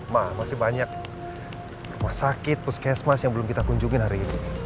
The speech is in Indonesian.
mah masih banyak rumah sakit puskesmas yang belum kita kunjungin hari ini